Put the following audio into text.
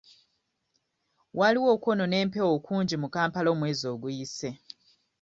Waaliwo okwonoona empewo kungi mu Kampala omwezi oguyise.